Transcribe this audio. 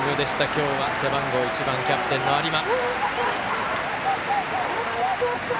今日は、背番号１番のキャプテン、有馬。